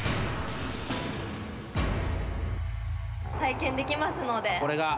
体験できますので。